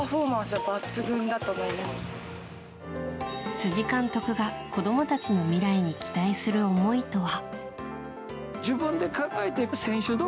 辻監督が子供たちの未来に期待する思いとは。